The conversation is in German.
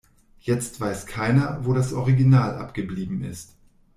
Jetzt weiß keiner, wo das Original abgeblieben ist.